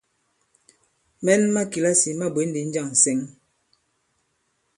Mɛn ma kìlasì ma bwě ndi njâŋ ǹsɛŋ?